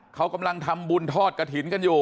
เขากำลังทำบุญทอดกระถิ่นกันอยู่